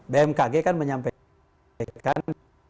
bmkg kan menyampaikan